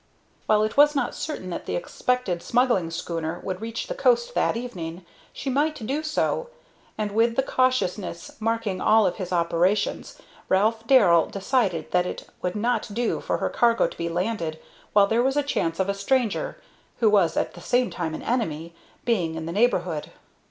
While it was not certain that the expected smuggling schooner would reach the coast that evening, she might do so, and, with the cautiousness marking all of his operations, Ralph Darrell decided that it would not do for her cargo to be landed while there was a chance of a stranger, who was at the same time an enemy, being in the neighborhood.